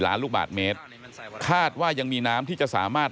ล้านลูกบาทเมตรคาดว่ายังมีน้ำที่จะสามารถ